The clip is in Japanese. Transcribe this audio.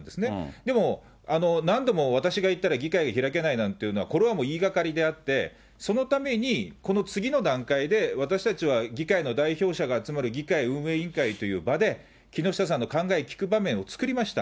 でも何度も、私が行ったら議会が開けないなんというのは、これはもう言いがかりであって、そのためにこの次の段階で、私たちは議会の代表者が集まる機会、議会運営委員会という場で、木下さんの考えを聞く場面を作りました。